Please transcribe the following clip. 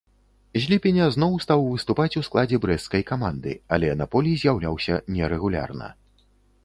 З ліпеня зноў стаў выступаць у складзе брэсцкай каманды, але на полі з'яўляўся нерэгулярна.